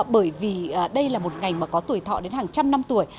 bởi vì đây là một ngành mà có tuổi thọ đến hàng trăm năm tuổi